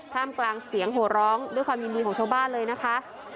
มกลางเสียงโหร้องด้วยความยินดีของชาวบ้านเลยนะคะ